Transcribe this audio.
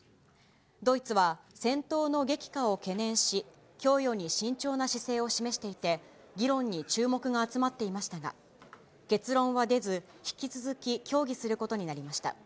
ドイツは戦闘の激化を懸念し、供与に慎重な姿勢を示していて、議論に注目が集まっていましたが、結論は出ず、引き続き協議することになりました。